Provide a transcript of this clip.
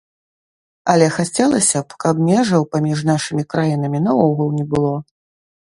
Але хацелася б, каб межаў паміж нашымі краінамі наогул не было.